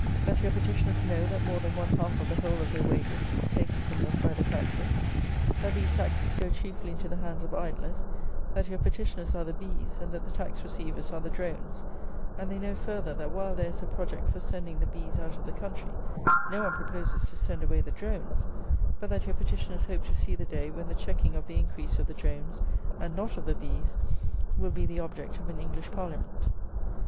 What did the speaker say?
"That your petitioners know that more than one half of the whole of their wages is taken from them by the taxes; that these taxes go chiefly into the hands of idlers; that your petitioners are the bees, and that the tax receivers are the drones; and they know, further, that while there is a project for sending the bees out of the country, no one proposes to send away the drones; but that your petitioners hope to see the day when the checking of the increase of the drones, and not of the bees, will be the object of an English Parliament.